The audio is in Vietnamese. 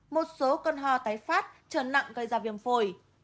một số cơn hoa tái phát trờn nặng gây ra viêm phổi